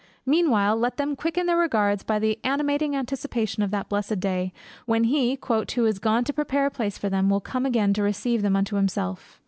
Meanwhile let them quicken their regards by the animating anticipation of that blessed day, when he "who is gone to prepare a place for them, will come again to receive them unto himself."